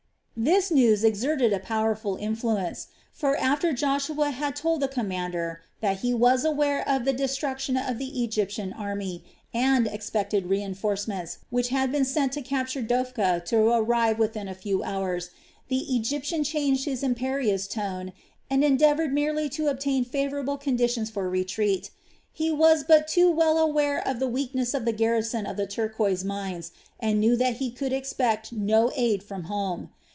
This news exerted a powerful influence; for after Joshua had told the commander that he was aware of the destruction of the Egyptian army and expected reinforcements which had been sent to capture Dophkah to arrive within a few hours, the Egyptian changed his imperious tone and endeavored merely to obtain favorable conditions for retreat. He was but too well aware of the weakness of the garrison of the turquoise mines and knew that he could expect no aid from home.